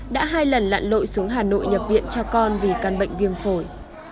đã hai lần lặn lội xuống hà nội nhập viện cho con vì căn bệnh viêm phổi